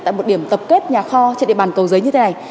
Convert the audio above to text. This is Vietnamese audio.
tại một điểm tập kết nhà kho trên địa bàn cầu giấy như thế này